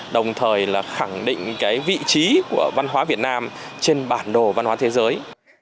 đồng thời khẳng định vị trí của văn hóa việt nam trên bản đồ văn hóa thế giới